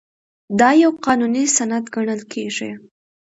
دا یو قانوني سند ګڼل کیږي.